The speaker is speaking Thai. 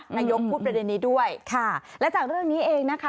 นายกพูดประเด็นนี้ด้วยค่ะและจากเรื่องนี้เองนะคะ